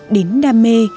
đến đam mê